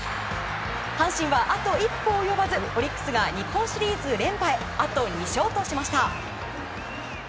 阪神はあと一歩及ばずオリックスが日本シリーズ連覇へあと２勝としました。